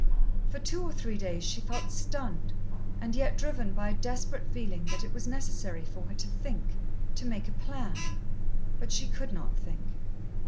For two or three days she felt stunned, and yet driven by a desperate feeling that it was necessary for her to think, to make a plan. But she could not think.